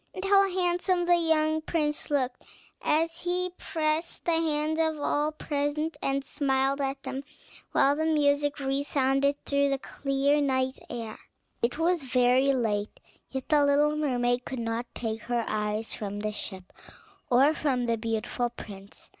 And how handsome the young prince looked, as he pressed the hands of all present and smiled at them, while the music resounded through the clear night air. It was very late; yet the little mermaid could not take her eyes from the ship, or from the beautiful prince.